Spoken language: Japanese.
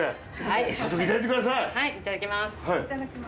いただきます。